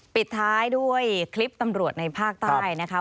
ปิดท้ายด้วยคลิปตำรวจในภาคใต้นะคะ